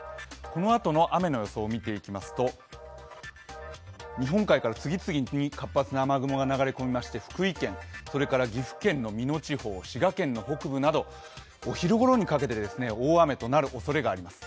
このあとの雨の予想を見ていきますと、日本海から次々に活発な雨雲が流れ込みまして、福井県、岐阜県の美濃地方、滋賀県の北部など、お昼ごろにかけて大雨となるおそれがあります。